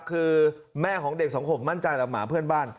คือแม่ของเด็ก๒ขวบมั่นใจหลับหมาเพื่อนบ้าน